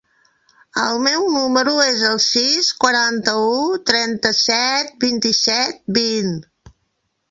El meu número es el sis, quaranta-u, trenta-set, vint-i-set, vint.